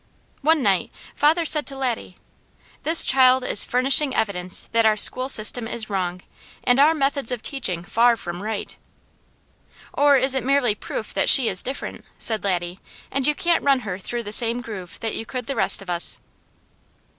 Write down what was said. One night, father said to Laddie: "This child is furnishing evidence that our school system is wrong, and our methods of teaching far from right." "Or is it merely proof that she is different," said Laddie, "and you can't run her through the same groove you could the rest of us?"